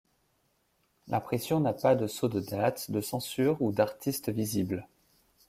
L'impression n'a pas de sceaux de date, de censure ou d'artiste visibles.